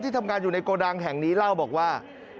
ทำงานอยู่ในโกดังแห่งนี้เล่าบอกว่า